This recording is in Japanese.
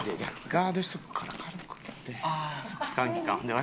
ガードしとくから軽く打って。